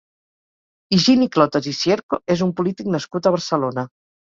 Higini Clotas i Cierco és un polític nascut a Barcelona.